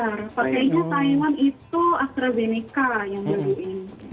pertanyaannya taiwan itu astrazeneca yang melalui ini